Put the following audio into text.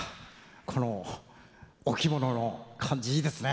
このお着物の感じいいですね。